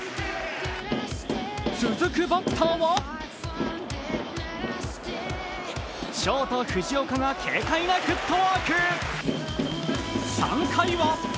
続くバッターはショート・藤岡が警戒なフットワーク。